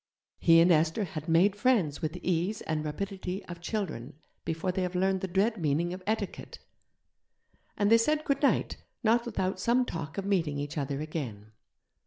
He and Esther had 'made friends' with the ease and rapidity of children before they have learned the dread meaning of 'etiquette', and they said good night, not without some talk of meeting each other again.